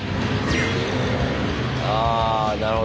あなるほど。